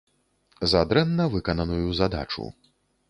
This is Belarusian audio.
За дрэнна выкананую задачу.